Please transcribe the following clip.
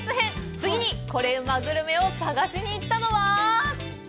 次にコレうまグルメを探しに行ったのは！？